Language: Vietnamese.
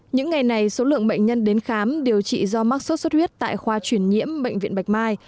những ngày này số lượng bệnh nhân đến khám điều trị do mắc sốt xuất huyết tại khoa chuyển nhiễm bệnh viện bạch mai